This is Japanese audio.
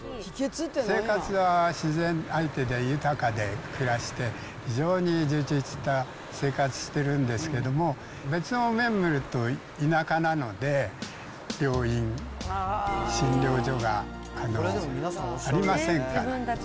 生活は自然相手で豊かで暮らして、非常に充実した生活してるんですけども、別の面見ると、田舎なので病院、診療所がありませんから。